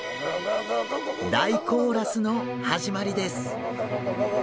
大コーラスの始まりです。